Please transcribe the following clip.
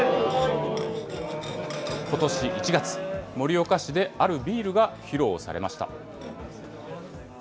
ことし１月、盛岡市であるビールが披露されました。